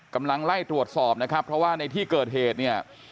กำลังไล่ตรวจสอบนะครับเพราะว่าในที่เกิดเหตุเนี่ย